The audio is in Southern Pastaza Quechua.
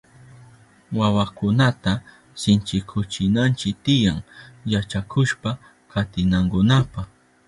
Wawakunata sinchikuchinanchi tiyan yachakushpa katinankunapa.